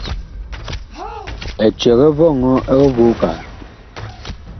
Eceg ɛ vɔŋɔ ɛg voo kaa.